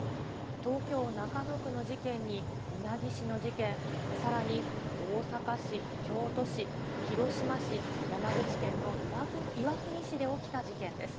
東京・中野区の事件に稲城市の事件、さらに大阪市、京都市、広島市、山口県の岩国市で起きた事件です。